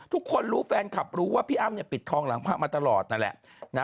ทุกคนรู้แฟนคลับรู้ว่าพี่อ้ำปิดทองหลังพระมาตลอดนั่นแหละ